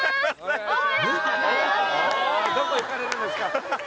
どこ行かれるんですか？